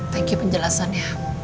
thank you penjelasan ya